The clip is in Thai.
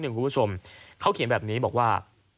คุณผู้ชมเขาเขียนแบบนี้บอกว่า